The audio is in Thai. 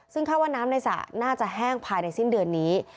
ซึ่งคาดว่าน้ำในสระน่าจะแห้งภายในสิ้นเดือนนี้